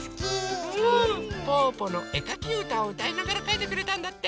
「ぽぅぽのえかきうた」をうたいながらかいてくれたんだって。